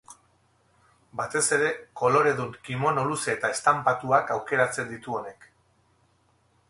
Batez ere, koloredun kimono luze eta estanpatuak aukeratzen ditu honek.